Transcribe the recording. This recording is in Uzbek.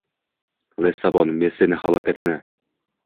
Lissabon, Messini halokatini.